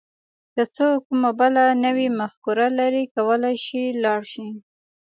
که څوک کومه بله نوې مفکوره لري کولای شي لاړ شي.